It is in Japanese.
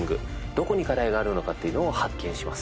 どこに課題があるのかっていうのを発見します。